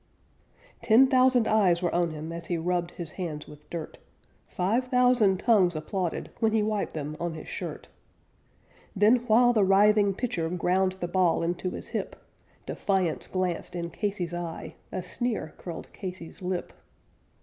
Ten thousand eyes were on him as he rubbed his hands with dirt, Five thousand tongues applauded when he wiped them on his shirt; Then, while the writhing pitcher ground the ball into his hip, Defiance glanced in Casey's eye, a sneer curled Casey's lip.